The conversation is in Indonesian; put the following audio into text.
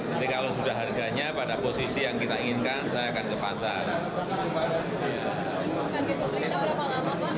nanti kalau sudah harganya pada posisi yang kita inginkan saya akan ke pasar